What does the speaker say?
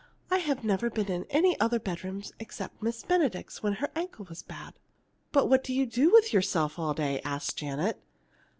I have never been in any of the other bedrooms except Miss Benedict's, when her ankle was bad." "But what do you do with yourself all day?" asked Janet.